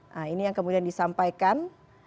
nah ini yang kemudian disampaikan